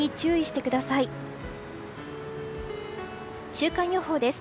週間予報です。